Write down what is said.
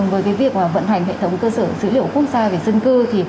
với việc vận hành hệ thống cơ sở dữ liệu quốc gia về dân cư